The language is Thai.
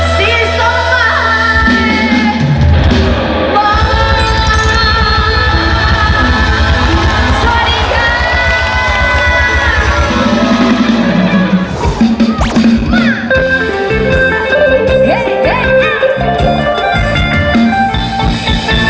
สิทธิ์ส่วนใหม่